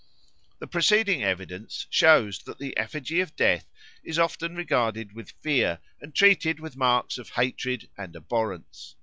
The preceding evidence shows that the effigy of Death is often regarded with fear and treated with marks of hatred and abhorrence.